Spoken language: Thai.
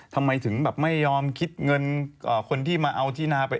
ทำไมถึงแบบไม่ยอมคิดเงินคนที่มาเอาที่นาไป